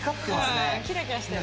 キラキラしてる。